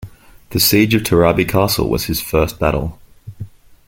The Siege of Terabe Castle was his first battle.